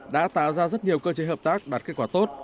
đã tạo ra rất nhiều cơ chế hợp tác đạt kết quả tốt